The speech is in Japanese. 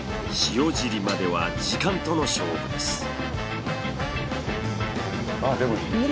塩尻までは時間との勝負です。